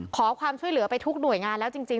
ขอความช่วยเหลือไปทุกหน่วยงานแล้วจริง